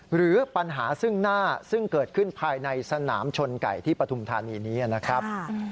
หรือปัญหาซึ่งหน้าซึ่งเกิดขึ้นภายในสนามชนไก่ที่ปฐุมธานีนี้นะครับ